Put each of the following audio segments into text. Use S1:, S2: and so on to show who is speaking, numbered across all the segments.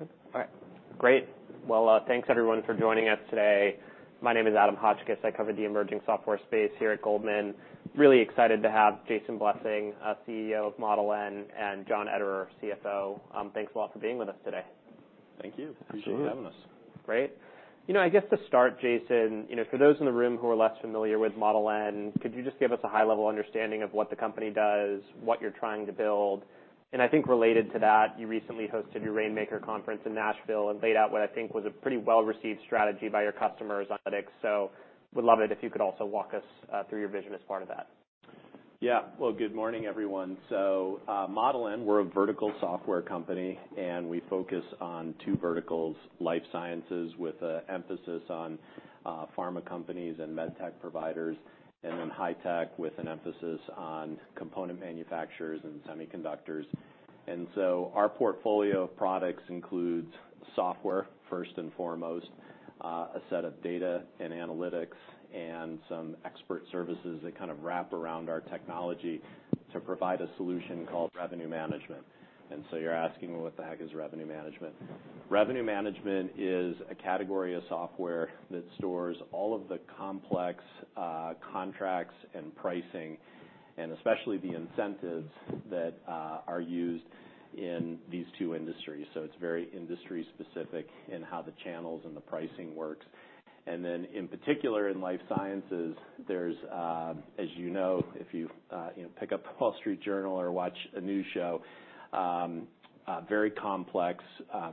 S1: All right, great. Well, thanks, everyone, for joining us today. My name is Adam Hotchkiss. I cover the emerging software space here at Goldman. Really excited to have Jason Blessing, CEO of Model N, and John Ederer, CFO. Thanks a lot for being with us today.
S2: Thank you.
S3: Absolutely.
S2: Thanks for having us.
S1: Great. You know, I guess to start, Jason, you know, for those in the room who are less familiar with Model N, could you just give us a high-level understanding of what the company does, what you're trying to build? And I think related to that, you recently hosted your Rainmaker conference in Nashville and laid out what I think was a pretty well-received strategy by your customers on analytics. So would love it if you could also walk us through your vision as part of that.
S2: Yeah. Well, good morning, everyone. So, Model N, we're a vertical software company, and we focus on two verticals, life sciences, with an emphasis on, pharma companies and med tech providers, and then high tech, with an emphasis on component manufacturers and semiconductors. And so our portfolio of products includes software, first and foremost, a set of data and analytics, and some expert services that kind of wrap around our technology to provide a solution called revenue management. And so you're asking, well, what the heck is revenue management? Revenue management is a category of software that stores all of the complex, contracts and pricing, and especially the incentives that are used in these two industries. So it's very industry-specific in how the channels and the pricing works. And then, in particular, in life sciences, there's, as you know, if you, you know, pick up The Wall Street Journal or watch a news show, very complex,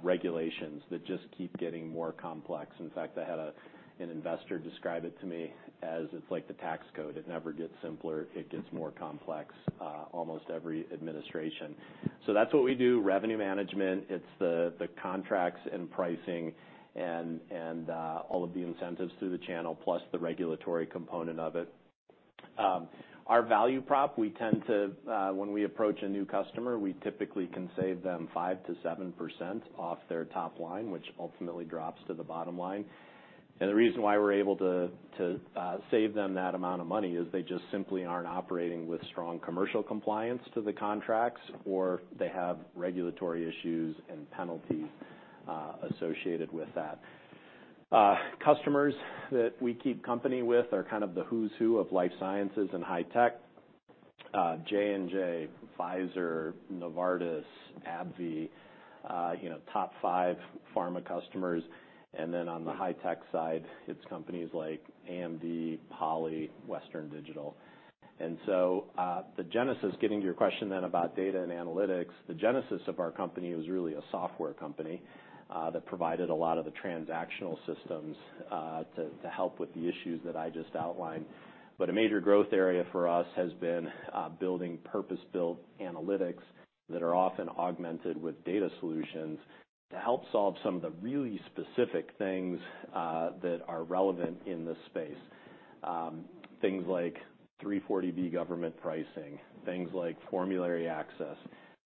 S2: regulations that just keep getting more complex. In fact, I had an investor describe it to me as it's like the tax code. It never gets simpler, it gets more complex, almost every administration. So that's what we do, revenue management. It's the, the contracts and pricing and, and, all of the incentives through the channel, plus the regulatory component of it. Our value prop, we tend to, when we approach a new customer, we typically can save them 5%-7% off their top line, which ultimately drops to the bottom line. The reason why we're able to save them that amount of money is they just simply aren't operating with strong commercial compliance to the contracts, or they have regulatory issues and penalties associated with that. Customers that we keep company with are kind of the who's who of life sciences and high tech. J&J, Pfizer, Novartis, AbbVie, you know, top five pharma customers. And then on the high tech side, it's companies like AMD, Poly, Western Digital. And so, the genesis, getting to your question then about data and analytics, the genesis of our company was really a software company that provided a lot of the transactional systems to help with the issues that I just outlined. But a major growth area for us has been building purpose-built analytics that are often augmented with data solutions to help solve some of the really specific things that are relevant in this space. Things like 340B government pricing, things like formulary access,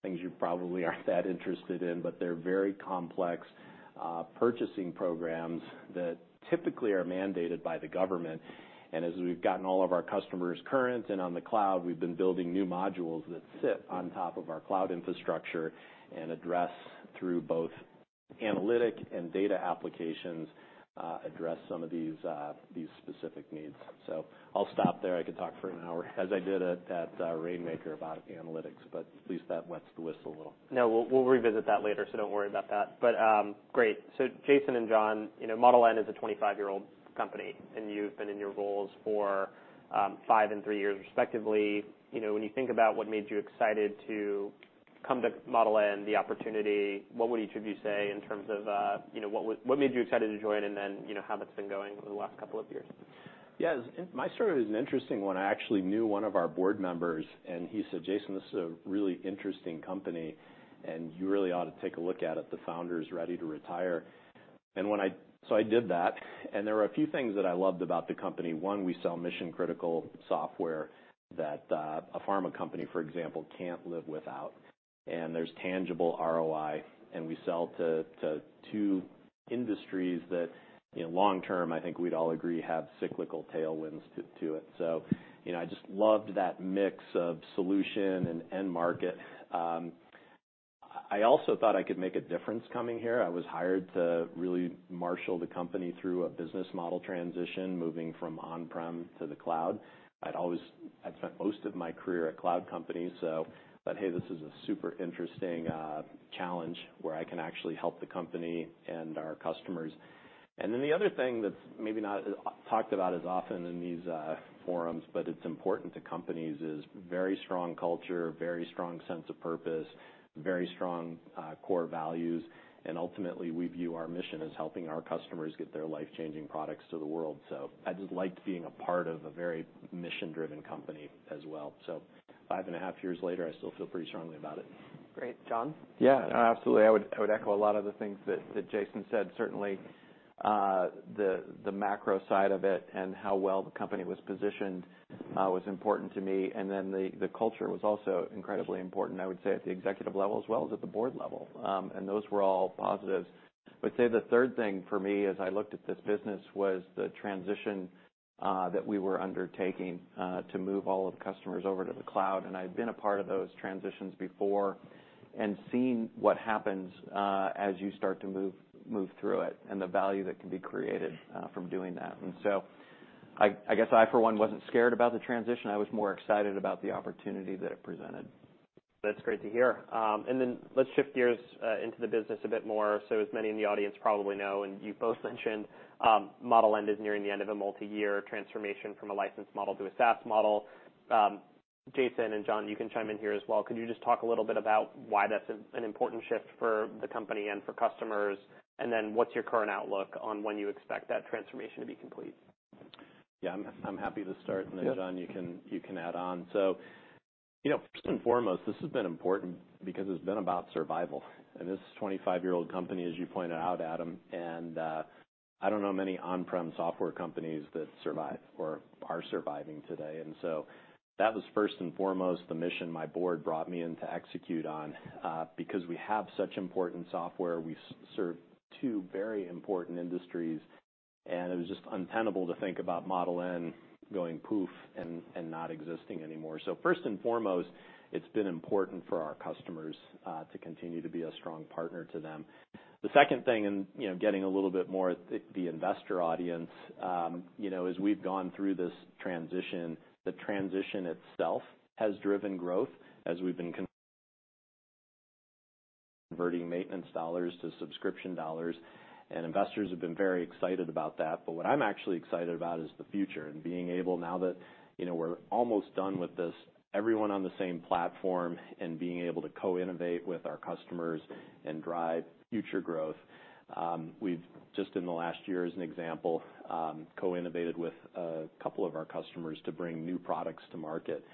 S2: things you probably aren't that interested in, but they're very complex purchasing programs that typically are mandated by the government. And as we've gotten all of our customers current and on the cloud, we've been building new modules that sit on top of our cloud infrastructure and address, through both analytic and data applications, address some of these these specific needs. So I'll stop there. I could talk for an hour, as I did at Rainmaker about analytics, but at least that wets the whistle a little.
S1: No, we'll revisit that later, so don't worry about that. But, great. So Jason and John, you know, Model N is a 25-year-old company, and you've been in your roles for five and three years, respectively. You know, when you think about what made you excited to come to Model N, the opportunity, what would each of you say in terms of, you know, what would... What made you excited to join, and then, you know, how that's been going over the last couple of years?
S2: Yeah, my story is an interesting one. I actually knew one of our board members, and he said, "Jason, this is a really interesting company, and you really ought to take a look at it. The founder is ready to retire." So I did that, and there were a few things that I loved about the company. One, we sell mission-critical software that a pharma company, for example, can't live without, and there's tangible ROI, and we sell to two industries that, in long term, I think we'd all agree, have cyclical tailwinds to it. So, you know, I just loved that mix of solution and end market. I also thought I could make a difference coming here. I was hired to really marshal the company through a business model transition, moving from on-prem to the cloud. I'd spent most of my career at cloud companies, so... But hey, this is a super interesting challenge where I can actually help the company and our customers. And then the other thing that's maybe not talked about as often in these forums, but it's important to companies, is very strong culture, very strong sense of purpose, very strong core values, and ultimately, we view our mission as helping our customers get their life-changing products to the world. So I just liked being a part of a very mission-driven company as well. So five and a half years later, I still feel pretty strongly about it.
S1: Great. John?
S3: Yeah, absolutely. I would echo a lot of the things that Jason said. Certainly, the macro side of it and how well the company was positioned was important to me, and then the culture was also incredibly important, I would say, at the executive level as well as at the board level. Those were all positives. I'd say the third thing for me, as I looked at this business, was the transition....
S2: that we were undertaking to move all of the customers over to the cloud. I've been a part of those transitions before and seen what happens as you start to move through it, and the value that can be created from doing that. So I guess I, for one, wasn't scared about the transition. I was more excited about the opportunity that it presented.
S1: That's great to hear. Then let's shift gears into the business a bit more. As many in the audience probably know, and you both mentioned, Model N is nearing the end of a multi-year transformation from a licensed model to a SaaS model. Jason and John, you can chime in here as well. Could you just talk a little bit about why that's an important shift for the company and for customers? Then what's your current outlook on when you expect that transformation to be complete?
S2: Yeah, I'm happy to start-
S3: Yeah.
S2: And then, John, you can add on. So, you know, first and foremost, this has been important because it's been about survival. And this is a 25-year-old company, as you pointed out, Adam, and I don't know many on-prem software companies that survive or are surviving today. And so that was first and foremost, the mission my board brought me in to execute on. Because we have such important software, we serve two very important industries, and it was just untenable to think about Model N going poof and not existing anymore. So first and foremost, it's been important for our customers to continue to be a strong partner to them. The second thing, you know, getting a little bit more at the investor audience, you know, as we've gone through this transition, the transition itself has driven growth as we've been converting maintenance dollars to subscription dollars, and investors have been very excited about that. But what I'm actually excited about is the future and being able now that, you know, we're almost done with this, everyone on the same platform, and being able to co-innovate with our customers and drive future growth. We've just in the last year, as an example, co-innovated with a couple of our customers to bring new products to market.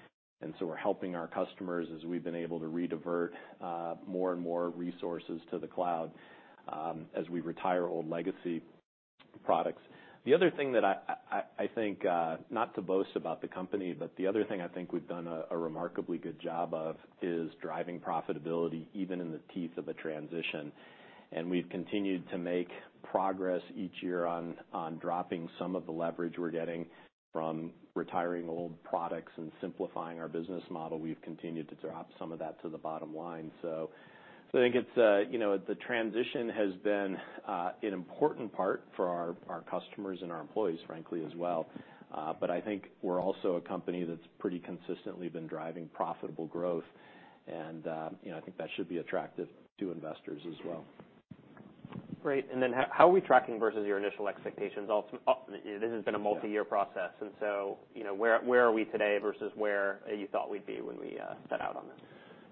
S2: And so we're helping our customers as we've been able to redivert more and more resources to the cloud as we retire old legacy products. The other thing that I think, not to boast about the company, but the other thing I think we've done a remarkably good job of is driving profitability, even in the teeth of a transition. And we've continued to make progress each year on dropping some of the leverage we're getting from retiring old products and simplifying our business model. We've continued to drop some of that to the bottom line. So I think it's, you know, the transition has been an important part for our customers and our employees, frankly, as well. But I think we're also a company that's pretty consistently been driving profitable growth, and, you know, I think that should be attractive to investors as well.
S1: Great. And then how, how are we tracking versus your initial expectations? This has been a multi-year process, and so, you know, where, where are we today versus where you thought we'd be when we set out on this?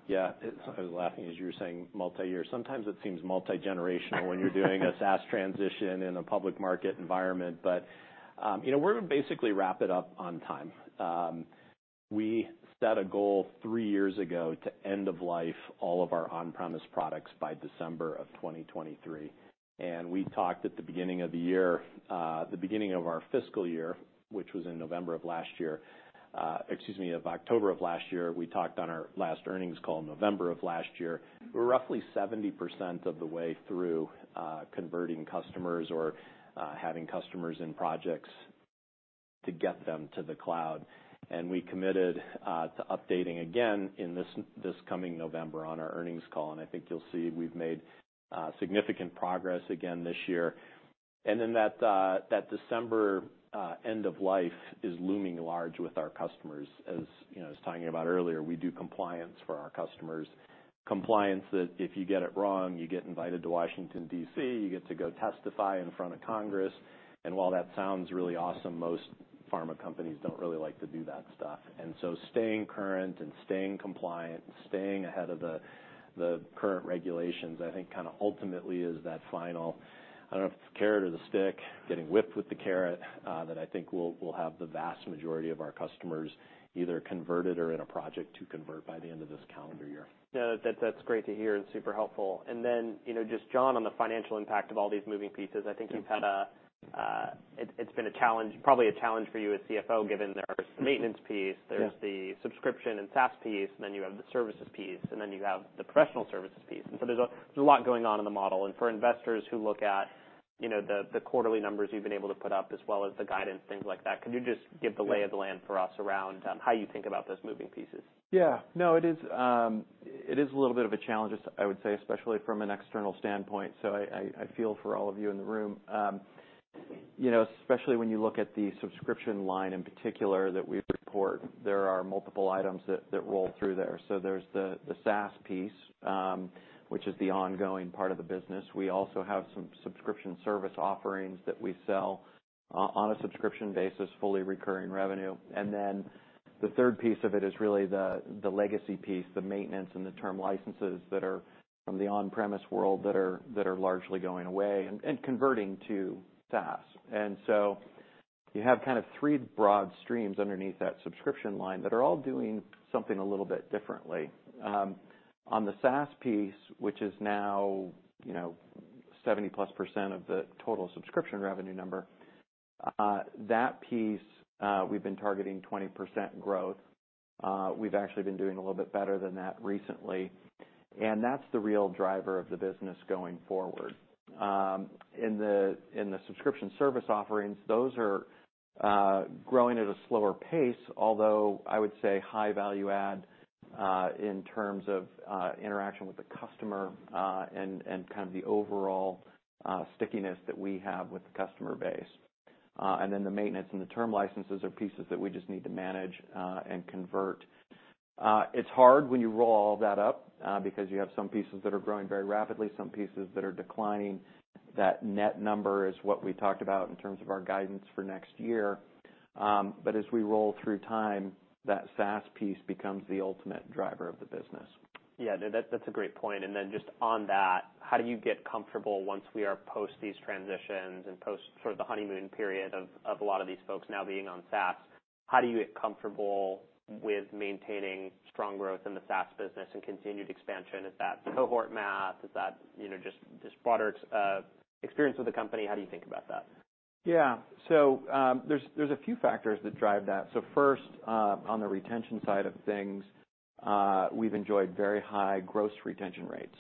S2: Yeah. I was laughing as you were saying multi-year. Sometimes it seems multigenerational - when you're doing a SaaS transition in a public market environment, but, you know, we're gonna basically wrap it up on time. We set a goal three years ago to end of life, all of our on-premise products by December of 2023. And we talked at the beginning of the year, the beginning of our fiscal year, which was in November of last year, excuse me, of October of last year. We talked on our last earnings call in November of last year. We're roughly 70% of the way through, converting customers or, having customers in projects to get them to the cloud. We committed to updating again in this, this coming November on our earnings call, and I think you'll see we've made significant progress again this year. Then that, that December end of life is looming large with our customers. As you know, I was talking about earlier, we do compliance for our customers. Compliance that if you get it wrong, you get invited to Washington, D.C., you get to go testify in front of Congress. While that sounds really awesome, most pharma companies don't really like to do that stuff. And so staying current and staying compliant and staying ahead of the current regulations, I think, kinda ultimately is that final, I don't know if it's the carrot or the stick, getting whipped with the carrot, that I think will have the vast majority of our customers either converted or in a project to convert by the end of this calendar year.
S1: No, that's great to hear and super helpful. And then, you know, just John, on the financial impact of all these moving pieces, I think-
S3: Yeah...
S1: you've had, it's been a challenge, probably a challenge for you as CFO, given there's the maintenance piece-
S3: Yeah...
S1: there's the subscription and SaaS piece, then you have the services piece, and then you have the professional services piece. And so there's a lot going on in the model. And for investors who look at, you know, the quarterly numbers you've been able to put up, as well as the guidance, things like that, could you just give the lay of the land for us around how you think about those moving pieces?
S3: Yeah. No, it is a little bit of a challenge, I would say, especially from an external standpoint, so I feel for all of you in the room. You know, especially when you look at the subscription line in particular that we report, there are multiple items that roll through there. So there's the SaaS piece, which is the ongoing part of the business. We also have some subscription service offerings that we sell on a subscription basis, fully recurring revenue. And then the third piece of it is really the legacy piece, the maintenance and the term licenses that are from the on-premise world, that are largely going away and converting to SaaS. And so you have kind of three broad streams underneath that subscription line that are all doing something a little bit differently. On the SaaS piece, which is now, you know, 70%+ of the total subscription revenue number, that piece, we've been targeting 20% growth. We've actually been doing a little bit better than that recently. That's the real driver of the business going forward. In the subscription service offerings, those are growing at a slower pace, although I would say high value add in terms of interaction with the customer and kind of the overall stickiness that we have with the customer base. And then the maintenance and the term licenses are pieces that we just need to manage and convert. It's hard when you roll all that up because you have some pieces that are growing very rapidly, some pieces that are declining. That net number is what we talked about in terms of our guidance for next year. But as we roll through time, that SaaS piece becomes the ultimate driver of the business.
S1: Yeah, no, that's a great point. And then just on that, how do you get comfortable once we are post these transitions and post sort of the honeymoon period of, of a lot of these folks now being on SaaS? How do you get comfortable with maintaining strong growth in the SaaS business and continued expansion? Is that cohort math? Is that, you know, just, just broader experience with the company? How do you think about that?
S3: Yeah. So, there's a few factors that drive that. So first, on the retention side of things, we've enjoyed very high gross retention rates,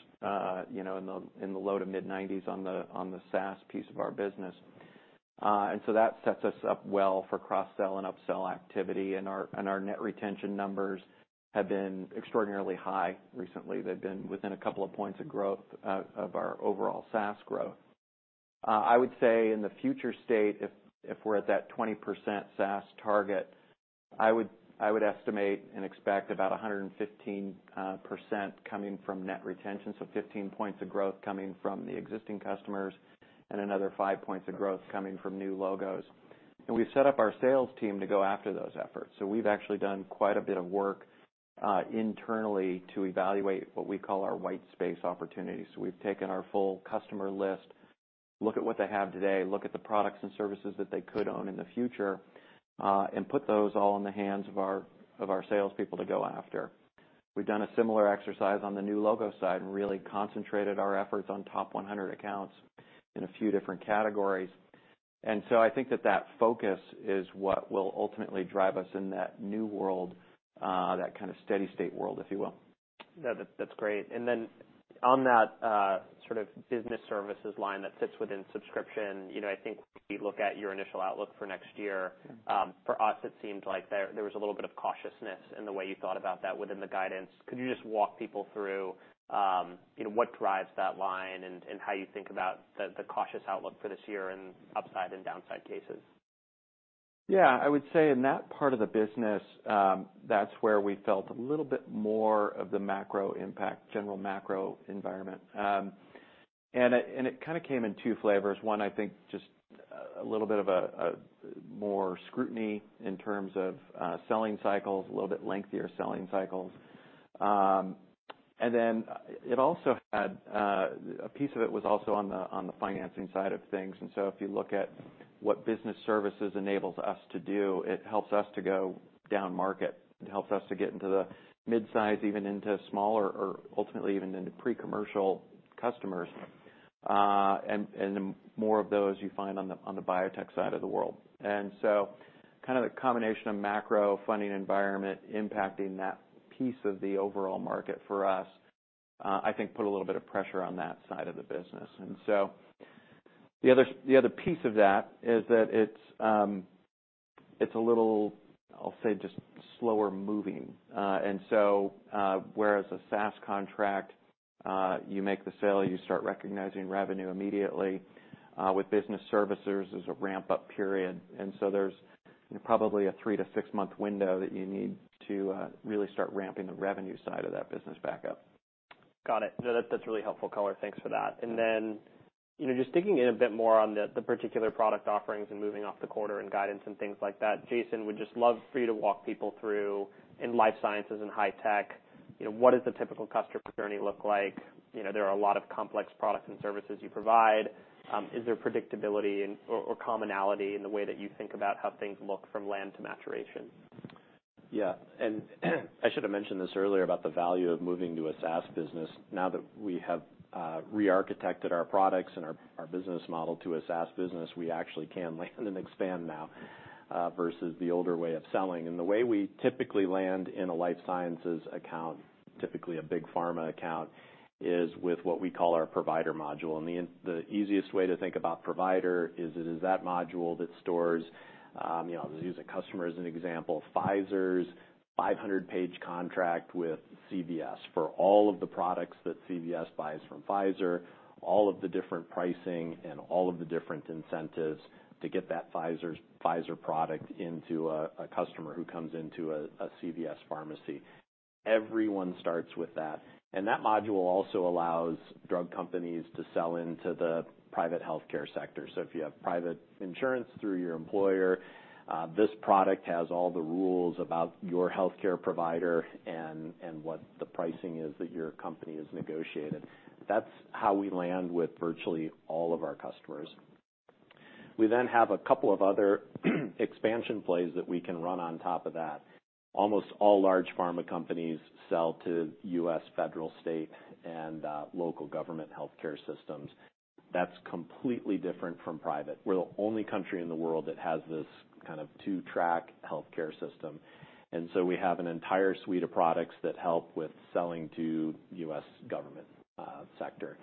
S3: you know, in the low to mid-nineties on the SaaS piece of our business. And so that sets us up well for cross-sell and upsell activity. And our net retention numbers have been extraordinarily high recently. They've been within a couple of points of growth, of our overall SaaS growth. I would say in the future state, if we're at that 20% SaaS target, I would estimate and expect about 115% coming from net retention. So 15 points of growth coming from the existing customers and another five points of growth coming from new logos. We've set up our sales team to go after those efforts. So we've actually done quite a bit of work internally to evaluate what we call our white space opportunities. We've taken our full customer list, look at what they have today, look at the products and services that they could own in the future, and put those all in the hands of our, of our salespeople to go after. We've done a similar exercise on the new logo side and really concentrated our efforts on top 100 accounts in a few different categories. So I think that that focus is what will ultimately drive us in that new world, that kind of steady state world, if you will.
S1: No, that, that's great. And then on that, sort of Business Services line that sits within subscription, you know, I think we look at your initial outlook for next year. For us, it seemed like there was a little bit of cautiousness in the way you thought about that within the guidance. Could you just walk people through, you know, what drives that line and how you think about the cautious outlook for this year and upside and downside cases?
S3: Yeah. I would say in that part of the business, that's where we felt a little bit more of the macro impact, general macro environment. And it kind of came in two flavors. One, I think just a little bit more scrutiny in terms of selling cycles, a little bit lengthier selling cycles. And then it also had a piece of it was also on the financing side of things. And so if you look at what Business Services enables us to do, it helps us to go down market. It helps us to get into the mid-size, even into smaller or ultimately even into pre-commercial customers, and more of those you find on the biotech side of the world. And so kind of a combination of macro funding environment impacting that piece of the overall market for us, I think put a little bit of pressure on that side of the business. And so the other, the other piece of that is that it's, it's a little, I'll say, just slower moving. And so, whereas a SaaS contract, you make the sale, you start recognizing revenue immediately, with business services, there's a ramp-up period. And so there's probably a three to six-month window that you need to really start ramping the revenue side of that business back up.
S1: Got it. No, that's really helpful color. Thanks for that. And then, you know, just digging in a bit more on the particular product offerings and moving off the quarter and guidance and things like that, Jason, would just love for you to walk people through in life sciences and high tech, you know, what does the typical customer journey look like? You know, there are a lot of complex products and services you provide. Is there predictability or commonality in the way that you think about how things look from land to maturation?
S2: Yeah. And I should have mentioned this earlier about the value of moving to a SaaS business. Now that we have rearchitected our products and our business model to a SaaS business, we actually can land and expand now versus the older way of selling. And the way we typically land in a life sciences account, typically a big pharma account, is with what we call our provider module. And the easiest way to think about provider is it is that module that stores, you know, I'll use a customer as an example, Pfizer's 500-page contract with CVS for all of the products that CVS buys from Pfizer, all of the different pricing and all of the different incentives to get that Pfizer product into a customer who comes into a CVS pharmacy. Everyone starts with that.
S3: And that module also allows drug companies to sell into the private healthcare sector. So if you have private insurance through your employer, this product has all the rules about your healthcare provider and, and what the pricing is that your company has negotiated. That's how we land with virtually all of our customers. We then have a couple of other expansion plays that we can run on top of that. Almost all large pharma companies sell to U.S. federal, state, and local government healthcare systems....
S2: That's completely different from private. We're the only country in the world that has this kind of two-track healthcare system, and so we have an entire suite of products that help with selling to U.S. government sector.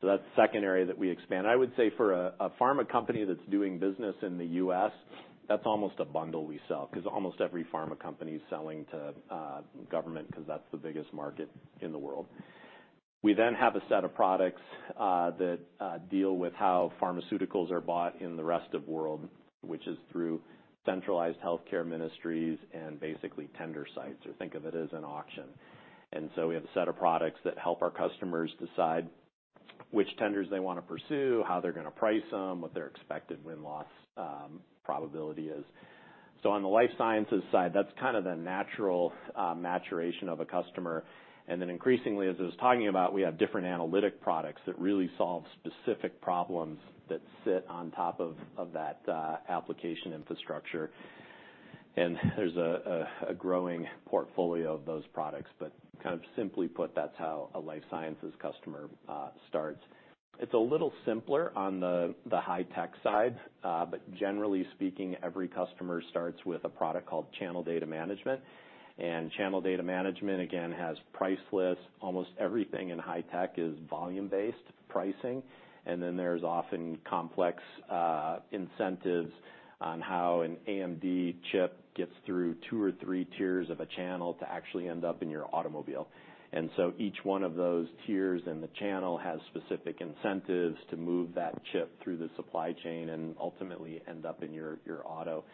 S2: So that's the second area that we expand. I would say for a pharma company that's doing business in the U.S., that's almost a bundle we sell, 'cause almost every pharma company is selling to government, 'cause that's the biggest market in the world. We then have a set of products that deal with how pharmaceuticals are bought in the rest of world, which is through centralized healthcare ministries and basically tender sites, or think of it as an auction. And so we have a set of products that help our customers decide which tenders they wanna pursue, how they're gonna price them, what their expected win-loss probability is. So on the life sciences side, that's kind of the natural maturation of a customer. And then increasingly, as I was talking about, we have different analytic products that really solve specific problems that sit on top of that application infrastructure. And there's a growing portfolio of those products, but kind of simply put, that's how a life sciences customer starts. It's a little simpler on the high-tech side, but generally speaking, every customer starts with a product called Channel Data Management. And Channel Data Management, again, has price lists. Almost everything in high-tech is volume-based pricing, and then there's often complex incentives on how an AMD chip gets through two or three tiers of a channel to actually end up in your automobile. And so each one of those tiers in the channel has specific incentives to move that chip through the supply chain and ultimately end up in your auto.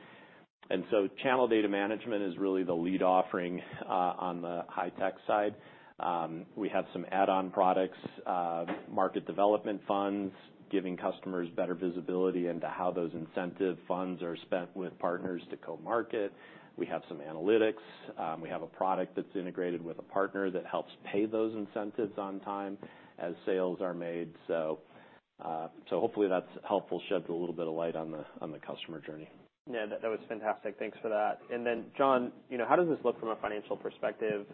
S2: And so Channel Data Management is really the lead offering on the high-tech side. We have some add-on products, market development funds, giving customers better visibility into how those incentive funds are spent with partners to co-market. We have some analytics. We have a product that's integrated with a partner that helps pay those incentives on time as sales are made. So hopefully, that's helpful, shed a little bit of light on the customer journey.
S1: Yeah, that, that was fantastic. Thanks for that. And then, John, you know, how does this look from a financial perspective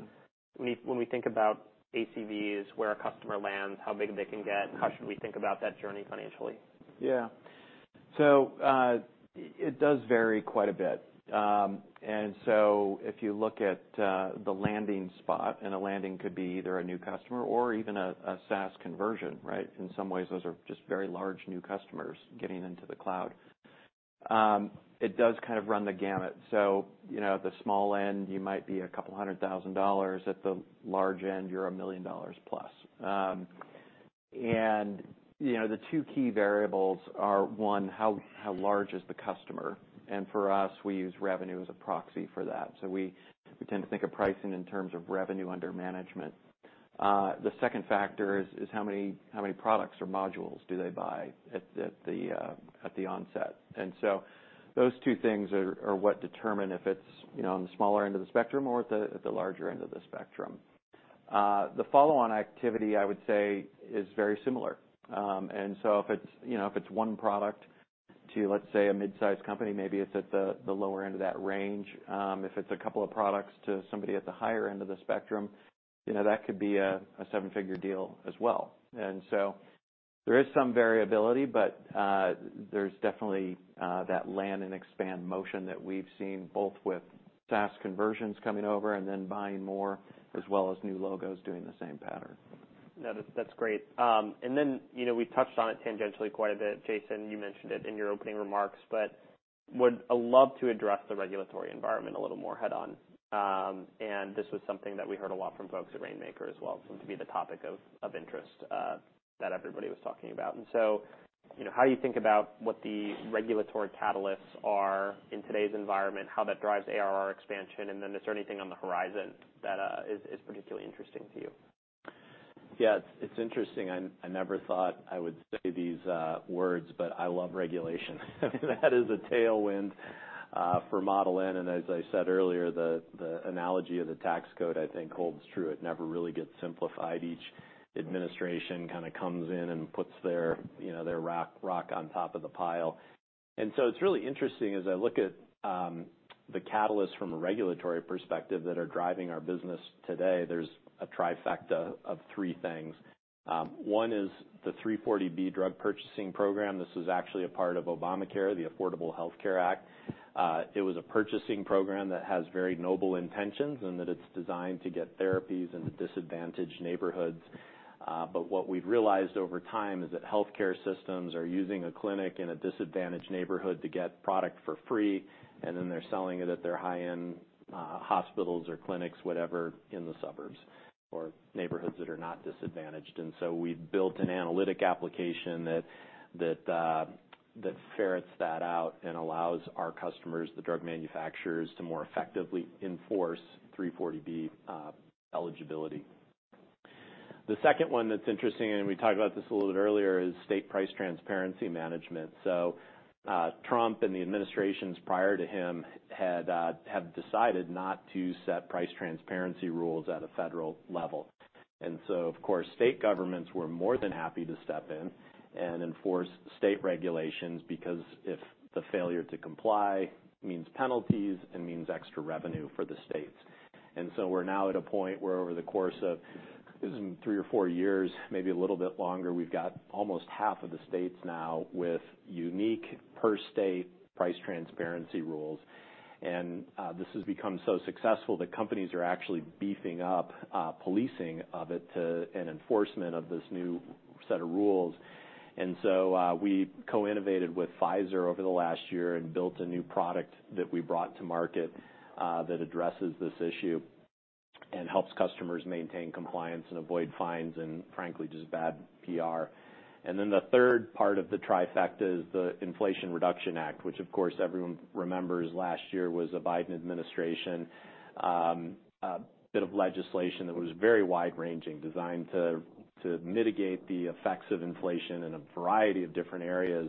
S1: when we, when we think about ACVs, where a customer lands, how big they can get? How should we think about that journey financially?
S3: Yeah. So, it does vary quite a bit. And so if you look at the landing spot, and a landing could be either a new customer or even a SaaS conversion, right? In some ways, those are just very large new customers getting into the cloud. It does kind of run the gamut. So, you know, at the small end, you might be $200,000. At the large end, you're $1 million plus. And, you know, the two key variables are, one, how large is the customer? And for us, we use revenue as a proxy for that. So we tend to think of pricing in terms of revenue under management. The second factor is how many products or modules do they buy at the onset?
S2: Those two things are what determine if it's, you know, on the smaller end of the spectrum or at the larger end of the spectrum. The follow-on activity, I would say, is very similar. If it's, you know, if it's one product to, let's say, a mid-sized company, maybe it's at the lower end of that range. If it's a couple of products to somebody at the higher end of the spectrum, you know, that could be a seven-figure deal as well. There is some variability, but there's definitely that land and expand motion that we've seen, both with SaaS conversions coming over and then buying more, as well as new logos doing the same pattern.
S1: No, that's, that's great. And then, you know, we touched on it tangentially quite a bit. Jason, you mentioned it in your opening remarks, but would love to address the regulatory environment a little more head-on. And this was something that we heard a lot from folks at Rainmaker as well, seemed to be the topic of interest that everybody was talking about. And so, you know, how you think about what the regulatory catalysts are in today's environment, how that drives ARR expansion, and then is there anything on the horizon that is particularly interesting to you?
S2: Yeah, it's interesting. I never thought I would say these words, but I love regulation. That is a tailwind for Model N. And as I said earlier, the analogy of the tax code, I think, holds true. It never really gets simplified. Each administration kind of comes in and puts their, you know, their rock on top of the pile. And so it's really interesting as I look at the catalysts from a regulatory perspective that are driving our business today. There's a trifecta of three things. One is the 340B Drug Pricing Program. This was actually a part of Obamacare, the Affordable Care Act. It was a purchasing program that has very noble intentions, and that it's designed to get therapies into disadvantaged neighborhoods. But what we've realized over time is that healthcare systems are using a clinic in a disadvantaged neighborhood to get product for free, and then they're selling it at their high-end hospitals or clinics, whatever, in the suburbs or neighborhoods that are not disadvantaged. And so we've built an analytic application that that ferrets that out and allows our customers, the drug manufacturers, to more effectively enforce 340B eligibility. The second one that's interesting, and we talked about this a little bit earlier, is State Price Transparency Management. So, Trump and the administrations prior to him had have decided not to set price transparency rules at a federal level. And so, of course, state governments were more than happy to step in and enforce state regulations, because if the failure to comply means penalties, it means extra revenue for the states.... And so we're now at a point where over the course of, I think it was three or four years, maybe a little bit longer, we've got almost half of the states now with unique per state price transparency rules. And, this has become so successful that companies are actually beefing up policing of it and enforcement of this new set of rules. And so, we co-innovated with Pfizer over the last year and built a new product that we brought to market, that addresses this issue and helps customers maintain compliance and avoid fines, and frankly, just bad PR. And then the third part of the trifecta is the Inflation Reduction Act, which of course, everyone remembers last year, was a Biden administration, a bit of legislation that was very wide-ranging, designed to mitigate the effects of inflation in a variety of different areas.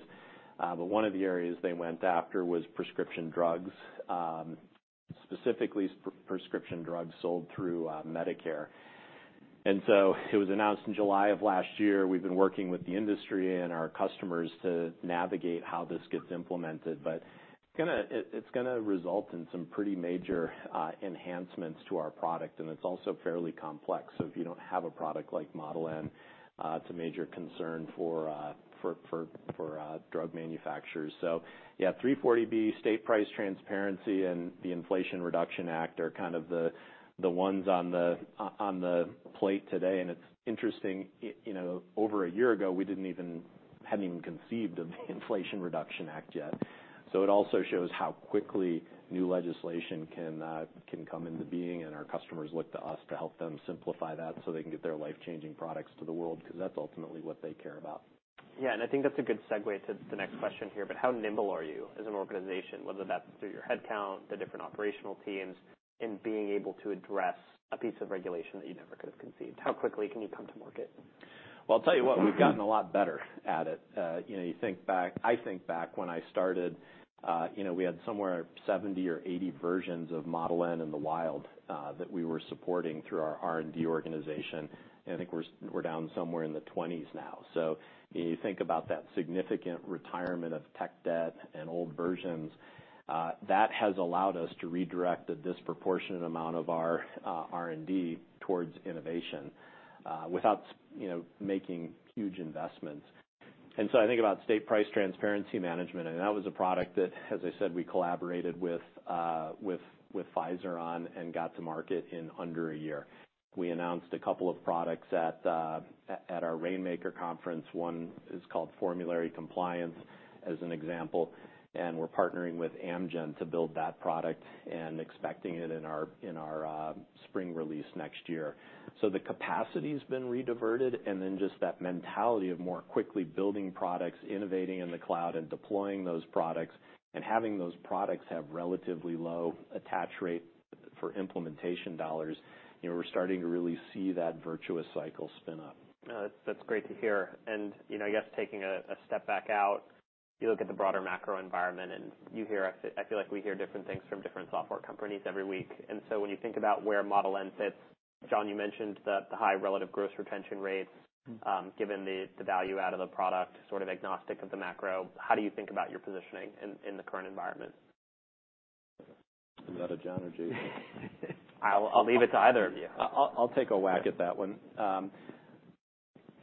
S2: But one of the areas they went after was prescription drugs, specifically prescription drugs sold through Medicare. And so it was announced in July of last year. We've been working with the industry and our customers to navigate how this gets implemented, but it's gonna result in some pretty major enhancements to our product, and it's also fairly complex. So if you don't have a product like Model N, it's a major concern for drug manufacturers. So yeah, 340B, State Price Transparency, and the Inflation Reduction Act are kind of the ones on the plate today. And it's interesting, you know, over a year ago, we hadn't even conceived of the Inflation Reduction Act yet. So it also shows how quickly new legislation can come into being, and our customers look to us to help them simplify that, so they can get their life-changing products to the world, 'cause that's ultimately what they care about.
S1: Yeah, and I think that's a good segue to the next question here, but how nimble are you as an organization, whether that's through your headcount, the different operational teams, in being able to address a piece of regulation that you never could have conceived? How quickly can you come to market?
S2: Well, I'll tell you what, we've gotten a lot better at it. You know, you think back- I think back when I started, you know, we had somewhere 70 or 80 versions of Model N in the wild, that we were supporting through our R&D organization. And I think we're down somewhere in the 20s now. So when you think about that significant retirement of tech debt and old versions, that has allowed us to redirect a disproportionate amount of our R&D towards innovation, without, you know, making huge investments. And so I think about State Price Transparency Management, and that was a product that, as I said, we collaborated with Pfizer on and got to market in under a year. We announced a couple of products at our Rainmaker conference. One is called Formulary Compliance, as an example, and we're partnering with Amgen to build that product and expecting it in our spring release next year. So the capacity's been rediverted, and then just that mentality of more quickly building products, innovating in the cloud, and deploying those products, and having those products have relatively low attach rate for implementation dollars, you know, we're starting to really see that virtuous cycle spin up.
S1: That's great to hear. And, you know, I guess taking a step back out, you look at the broader macro environment, and you hear, I feel like we hear different things from different software companies every week. And so when you think about where Model N fits, John, you mentioned the high relative gross retention rates, given the value out of the product, sort of agnostic of the macro, how do you think about your positioning in the current environment?
S2: Is that a John or Jay?
S1: I'll leave it to either of you.
S2: I'll take a whack at that one.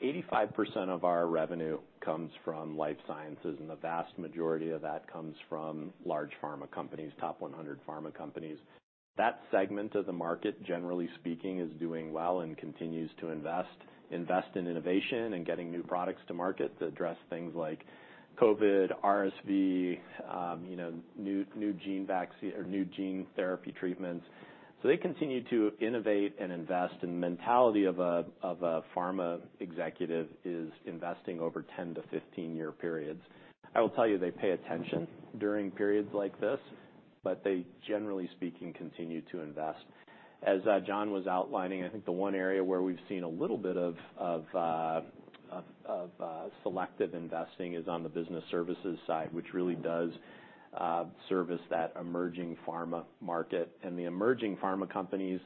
S2: 85% of our revenue comes from life sciences, and the vast majority of that comes from large pharma companies, top 100 pharma companies. That segment of the market, generally speaking, is doing well and continues to invest, invest in innovation and getting new products to market to address things like COVID, RSV, you know, new gene therapy treatments. So they continue to innovate and invest, and the mentality of a, of a pharma executive is investing over 10- to 15-year periods. I will tell you, they pay attention during periods like this, but they, generally speaking, continue to invest. As John was outlining, I think the one area where we've seen a little bit of selective investing is on the Business Services side, which really does service that emerging pharma market. The emerging pharma companies,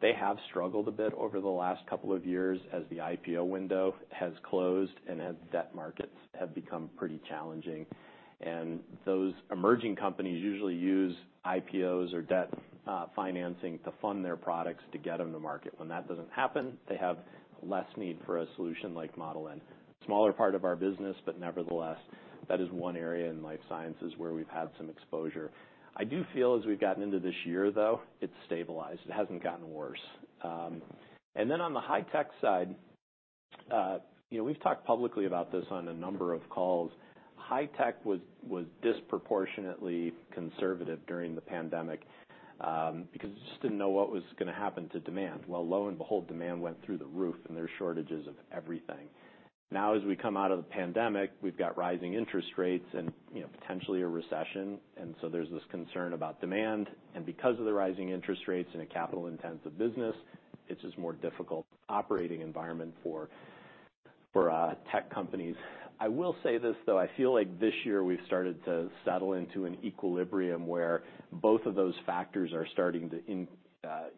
S2: they have struggled a bit over the last couple of years as the IPO window has closed and as debt markets have become pretty challenging. Those emerging companies usually use IPOs or debt financing to fund their products to get them to market. When that doesn't happen, they have less need for a solution like Model N. Smaller part of our business, but nevertheless, that is one area in life sciences where we've had some exposure. I do feel as we've gotten into this year, though, it's stabilized. It hasn't gotten worse. And then on the high-tech side, you know, we've talked publicly about this on a number of calls. High-tech was disproportionately conservative during the pandemic, because you just didn't know what was gonna happen to demand. Well, lo and behold, demand went through the roof, and there are shortages of everything. Now, as we come out of the pandemic, we've got rising interest rates and, you know, potentially a recession, and so there's this concern about demand. And because of the rising interest rates in a capital-intensive business, it's just a more difficult operating environment for tech companies. I will say this, though: I feel like this year we've started to settle into an equilibrium where both of those factors are starting to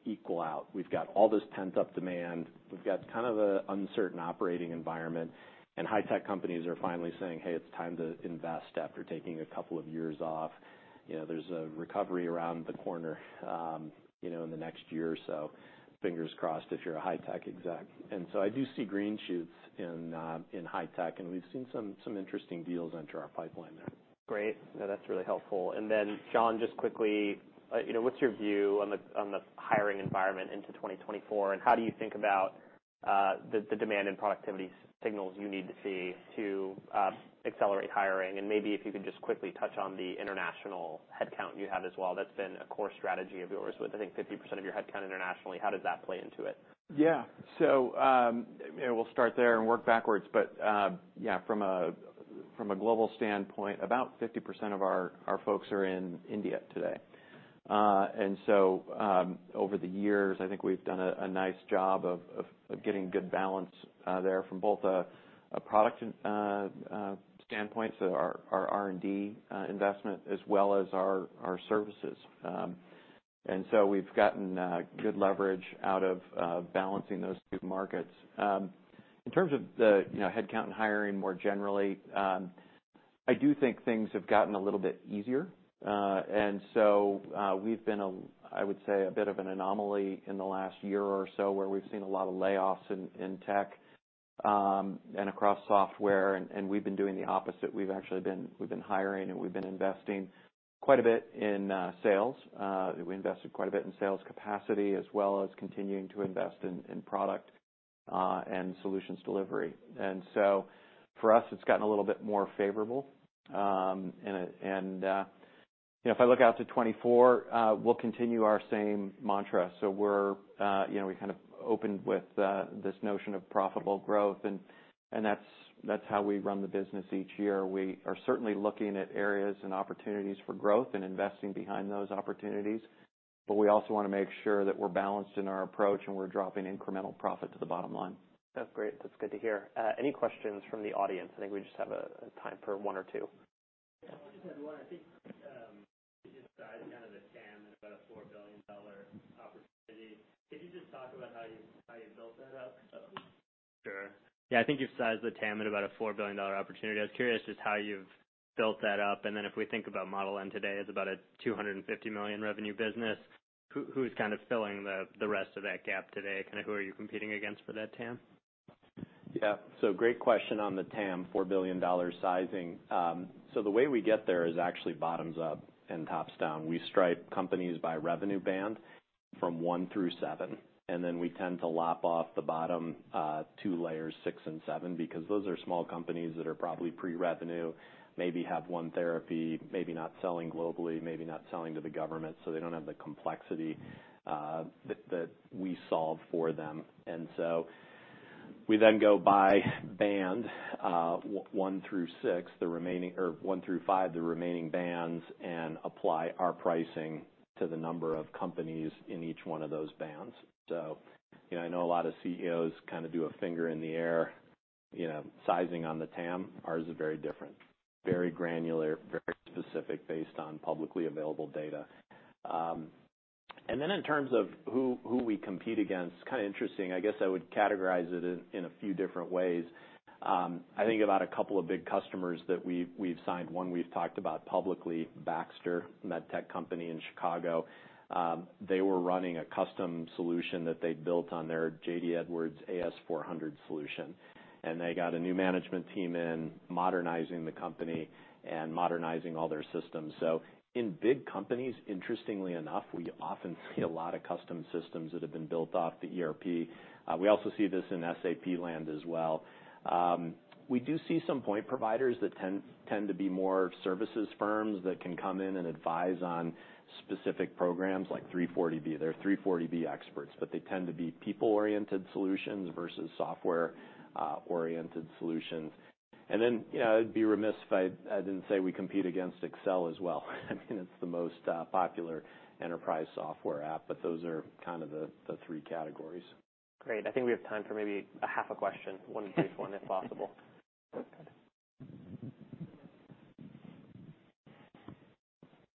S2: equal out. We've got all this pent-up demand, we've got kind of an uncertain operating environment, and high-tech companies are finally saying, "Hey, it's time to invest after taking a couple of years off." You know, there's a recovery around the corner, you know, in the next year or so. Fingers crossed if you're a high-tech exec. And so I do see green shoots in high tech, and we've seen some interesting deals enter our pipeline there.
S1: Great. No, that's really helpful. Then, John, just quickly, you know, what's your view on the hiring environment into 2024, and how do you think about the demand and productivity signals you need to see to accelerate hiring? And maybe if you could just quickly touch on the international headcount you have as well. That's been a core strategy of yours, with, I think, 50% of your headcount internationally. How does that play into it?
S3: Yeah. So, we'll start there and work backwards, but, yeah, from a global standpoint, about 50% of our folks are in India today. And so, over the years, I think we've done a nice job of getting good balance there from both a product standpoint, so our R&D investment, as well as our services. And so we've gotten good leverage out of balancing those two markets. In terms of the, you know, headcount and hiring more generally, I do think things have gotten a little bit easier.
S2: And so, we've been a, I would say, a bit of an anomaly in the last year or so, where we've seen a lot of layoffs in tech and across software, and we've been doing the opposite. We've actually been hiring, and we've been investing quite a bit in sales. We invested quite a bit in sales capacity, as well as continuing to invest in product and solutions delivery. And so for us, it's gotten a little bit more favorable. You know, if I look out to 2024, we'll continue our same mantra. So we're, you know, we kind of opened with this notion of profitable growth, and that's how we run the business each year. We are certainly looking at areas and opportunities for growth and investing behind those opportunities, but we also wanna make sure that we're balanced in our approach, and we're dropping incremental profit to the bottom line.
S1: That's great. That's good to hear. Any questions from the audience? I think we just have time for one or two.
S4: Yeah, I just had one. I think, you just sized down of the TAM at about a $4 billion opportunity. Could you just talk about how you built that up?
S1: Sure. Yeah, I think you've sized the TAM at about a $4 billion opportunity. I was curious just how you've built that up, and then if we think about Model N today, it's about a $250 million revenue business. Who, who's kind of filling the rest of that gap today? Kind of who are you competing against for that TAM?
S2: Yeah. Great question on the TAM, $4 billion sizing. So the way we get there is actually bottoms up and tops down. We stripe companies by revenue band from one through seven, and then we tend to lop off the bottom, two layers, six and seven, because those are small companies that are probably pre-revenue, maybe have 1 therapy, maybe not selling globally, maybe not selling to the government, so they don't have the complexity, that we solve for them. And so we then go by band, one through six, the remaining... or one through five, the remaining bands, and apply our pricing to the number of companies in each one of those bands. So, you know, I know a lot of CEOs kind of do a finger in the air, you know, sizing on the TAM. Ours is very different, very granular, very specific, based on publicly available data. And then in terms of who, who we compete against, kind of interesting, I guess I would categorize it in, in a few different ways. I think about a couple of big customers that we've, we've signed. One, we've talked about publicly, Baxter, Medtech company in Chicago. They were running a custom solution that they'd built on their JD Edwards AS/400 solution, and they got a new management team in, modernizing the company and modernizing all their systems. So in big companies, interestingly enough, we often see a lot of custom systems that have been built off the ERP. We also see this in SAP land as well. We do see some point providers that tend to be more services firms that can come in and advise on specific programs like 340B. They're 340B experts, but they tend to be people-oriented solutions versus software oriented solutions. And then, you know, I'd be remiss if I didn't say we compete against Excel as well. I mean, it's the most popular enterprise software app, but those are kind of the three categories.
S1: Great. I think we have time for maybe a half a question. One brief one, if possible.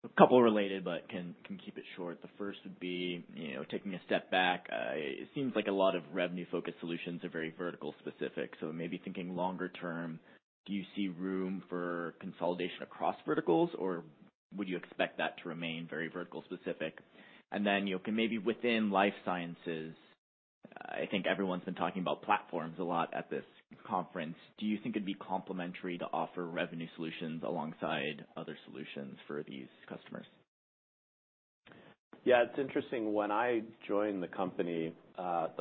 S4: A couple related, but can keep it short. The first would be, you know, taking a step back, it seems like a lot of revenue-focused solutions are very vertical specific, so maybe thinking longer term, do you see room for consolidation across verticals, or would you expect that to remain very vertical specific? And then, you know, maybe within life sciences, I think everyone's been talking about platforms a lot at this conference. Do you think it'd be complementary to offer revenue solutions alongside other solutions for these customers?
S2: Yeah, it's interesting. When I joined the company, the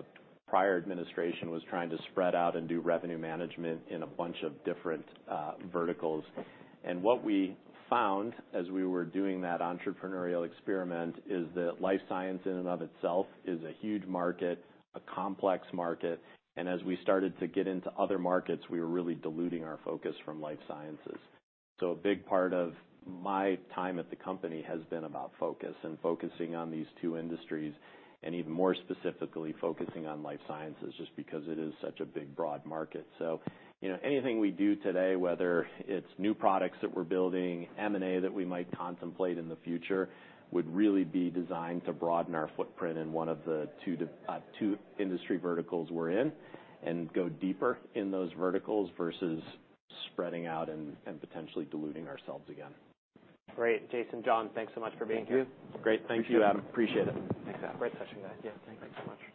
S2: prior administration was trying to spread out and do revenue management in a bunch of different, verticals. And what we found as we were doing that entrepreneurial experiment is that life science in and of itself is a huge market, a complex market, and as we started to get into other markets, we were really diluting our focus from life sciences. So a big part of my time at the company has been about focus and focusing on these two industries, and even more specifically, focusing on life sciences, just because it is such a big, broad market. So, you know, anything we do today, whether it's new products that we're building, M&A that we might contemplate in the future, would really be designed to broaden our footprint in one of the two industry verticals we're in, and go deeper in those verticals versus spreading out and potentially diluting ourselves again.
S1: Great. Jason, John, thanks so much for being here.
S2: Thank you.
S1: Great.
S2: Thank you, Adam. Appreciate it.
S4: Thanks, Adam.
S1: Great session, guys. Yeah, thanks so much.